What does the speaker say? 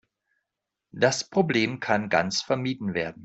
Das Problem kann ganz vermieden werden.